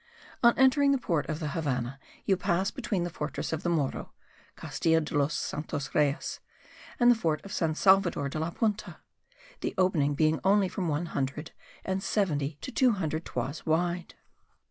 On entering the port of the Havannah you pass between the fortress of the Morro (Castillo de los Santos Reyes) and the fort of San Salvador de la Punta: the opening being only from one hundred and seventy to two hundred toises wide.